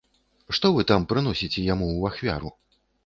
Што вы там прыносіце яму ў ахвяру?